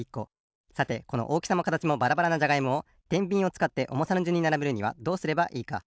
さてこのおおきさもかたちもばらばらなじゃがいもをてんびんをつかっておもさのじゅんにならべるにはどうすればいいか？